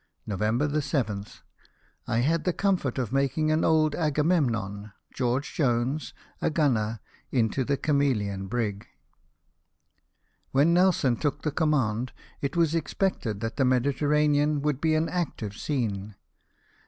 —" Nov. 7. I had the comfort of making an old Agamemnon, George Jones, a gimner, into the Chameleon brig." When Nelson took the command, it was expected that the Mediterranean would be an active scene.